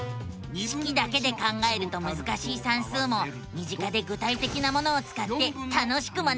式だけで考えるとむずかしい算数も身近で具体的なものをつかって楽しく学べるのさ！